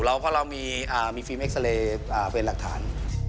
เพราะเรามีฟิล์เอ็กซาเรย์เป็นหลักฐาน